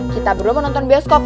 kita berdua mau nonton bioskop